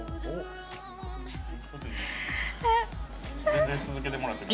全然続けてもらっても。